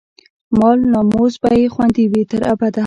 مال، ناموس به يې خوندي وي، تر ابده